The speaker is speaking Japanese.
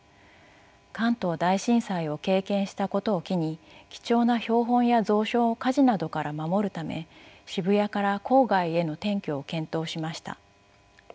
関東大震災を経験したことを機に貴重な標本や蔵書を火事などから守るため渋谷から郊外への転居を検討しました。